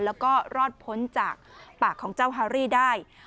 แล้วก็รอดพ้นจากปากของเจ้าฮารี่ได้